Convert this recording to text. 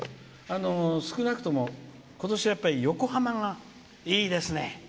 少なくとも今年は横浜がいいですね！